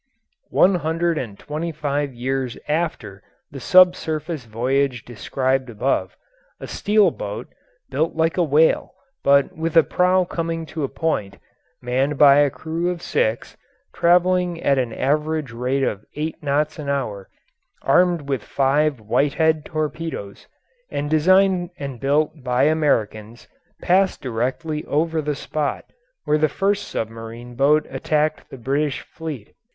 One hundred and twenty five years after the subsurface voyage described above, a steel boat, built like a whale but with a prow coming to a point, manned by a crew of six, travelling at an average rate of eight knots an hour, armed with five Whitehead torpedoes, and designed and built by Americans, passed directly over the spot where the first submarine boat attacked the British fleet.